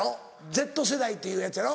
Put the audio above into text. Ｚ世代っていうやつやろ？